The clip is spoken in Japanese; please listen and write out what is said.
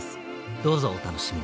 どうぞお楽しみに。